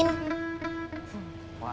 pernah ke mana